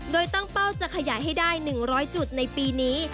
โดยตั้งเป้าจะขยายให้ได้๑๐๐จุดในปีนี้